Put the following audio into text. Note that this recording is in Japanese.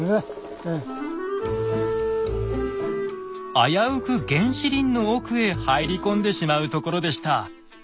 危うく原始林の奥へ入り込んでしまうところでした。